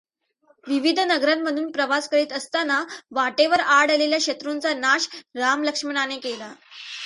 विविध नगरांमधून प्रवास करीत असताना वाटेवर आड आलेल्या शत्रूंचा नाश राम लक्ष्मणाने केला.